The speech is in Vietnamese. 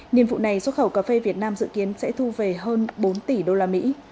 nhiệm vụ này xuất khẩu cà phê việt nam dự kiến sẽ thu về hơn bốn tỷ đô la mỹ